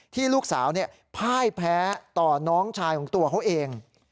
ที่ลูกสาวพ่ายแพ้ต่อน้องชายของตัวเขาเอง